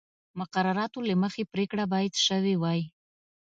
مقرراتو له مخې پرېکړه باید شوې وای